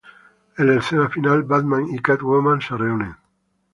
En la escena final Batman y Catwoman se reúnen.